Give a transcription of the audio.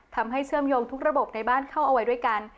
เชื่อมโยงทุกระบบในบ้านเข้าเอาไว้ด้วยกัน